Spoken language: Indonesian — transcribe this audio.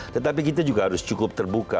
tetapi kita juga harus cukup terbuka